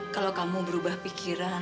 kalau kamu berubah pikiran